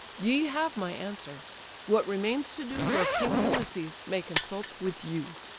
Ye have my answer—what remains to do, Your king, Ulysses, may consult with you.